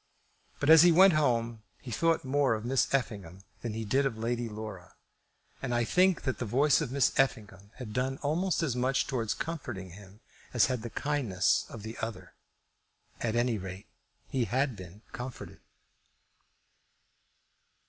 But as he went home he thought more of Miss Effingham than he did of Lady Laura; and I think that the voice of Miss Effingham had done almost as much towards comforting him as had the kindness of the other. At any rate, he had been comforted.